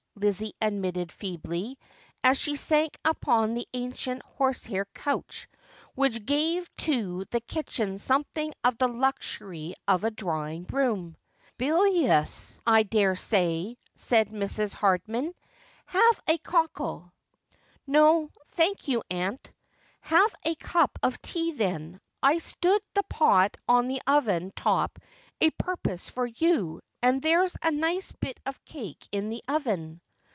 Lizzie admitted feebly, as she sank upon the ancient horsehair couch which gave to the kitchen something of the luxury of a drawing room. 'Bilious, I dare say.'" said Mrs. Hardman. 'Have z. cockle ?' Lizzie's Failure. 343 ' No, thank yon, aunt.' ' Have a cup of tea, then. I stood the pot on the oven top a purpose for you, and there's a nice bit of cake in the oven.'